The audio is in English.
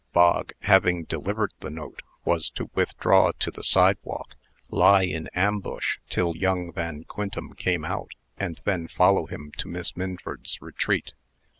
Bog, having delivered the note, was to withdraw to the sidewalk, lie in ambush, till young Van Quintem came out, and then follow him to Miss Minford's retreat.